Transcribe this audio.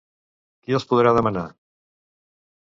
Qui els podrà demanar?